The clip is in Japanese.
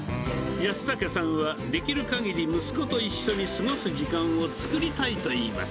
安武さんは、できるかぎり息子と一緒に過ごす時間を作りたいといいます。